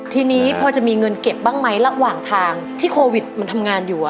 ทีนี้พอจะมีเงินเก็บบ้างไหมระหว่างทางที่โควิดมันทำงานอยู่